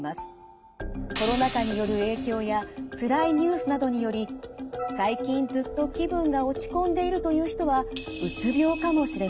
コロナ禍による影響やつらいニュースなどにより最近ずっと気分が落ち込んでいるという人はうつ病かもしれません。